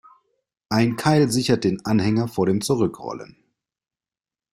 Ein Keil sichert den Anhänger vor dem Zurückrollen.